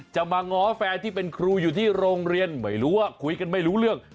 จะมาง้อแฟนที่เป็นครูอยู่ที่โรงเรียนไม่รู้ว่าคุยกันไม่รู้เรื่อง